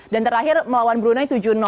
dan terakhir melawan brunei tujuh